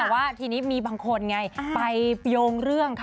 แต่ว่าทีนี้มีบางคนไงไปโยงเรื่องค่ะ